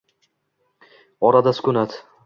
Orada sukunat...